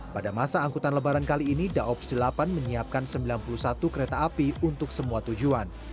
pada masa angkutan lebaran kali ini daops delapan menyiapkan sembilan puluh satu kereta api untuk semua tujuan